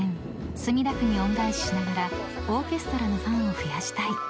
墨田区に恩返ししながらオーケストラのファンを増やしたい］